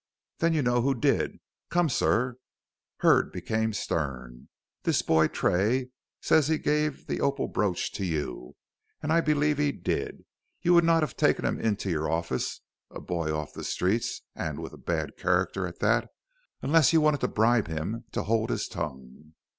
"Then you know who did. Come, sir," Hurd became stern; "this boy Tray says he gave the opal brooch to you. And I believe he did. You would not have taken him into your office a boy off the streets, and with a bad character at that unless you wanted to bribe him to hold his tongue."